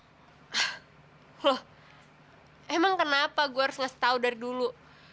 hah emang kenapa gue harus ngasih tau dari dulu